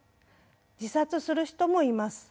自殺する人もいます。